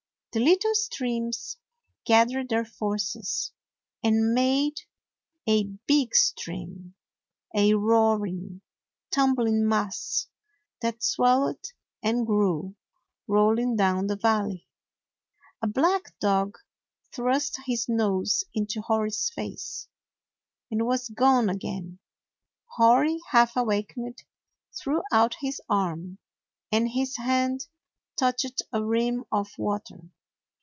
The little streams gathered their forces and made a big stream — a roaring, tumbling mass that swelled and grew, rolling down the valley. A black dog thrust his nose into Hori's face, and was gone again. Hori, half awakened, threw out his arm, and his hand touched a rim of water.